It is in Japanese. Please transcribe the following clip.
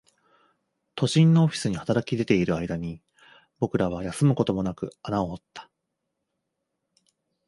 都心のオフィスに働き出ている間に、僕らは休むことなく穴を掘った